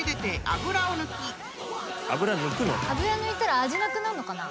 油抜いたら味なくなんのかな。